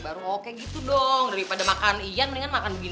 baru oke gitu dong daripada makan iyan mendingan makan binian